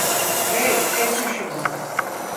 Hey, kesin şunu!